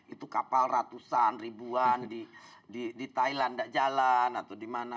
itu kapal ratusan ribuan di thailand tidak jalan atau di mana